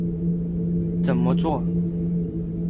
怎么作？